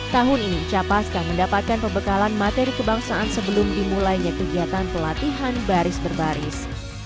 tahun ini capaska mendapatkan pembekalan materi kebangsaan sebelum dimulainya kegiatan pelatihan baris berbaris